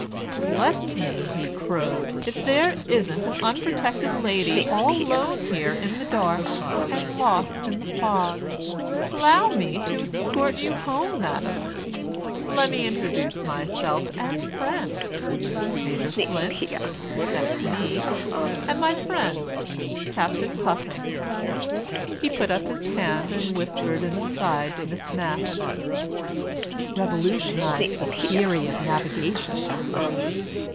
"Bless me," he crowed, "if there isn't an unprotected lady all 'lone here in the dark, and lost in the fog. 'Llow me to 'scort you home, madam. Lemme introduce myself and friend Major Flint, that's me, and my friend Captain Puffin." He put up his hand and whispered an aside to Miss Mapp: "Revolutionized the theory of navigation."